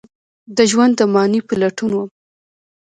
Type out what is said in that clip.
د ژوند د معنی په لټون وم